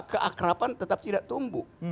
keakrapan tetap tidak tumbuh